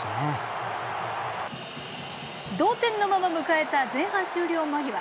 同点のまま迎えた前半終了間際。